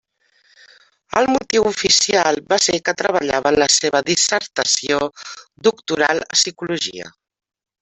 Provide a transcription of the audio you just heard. El motiu oficial va ser que treballava en la seva dissertació doctoral a psicologia.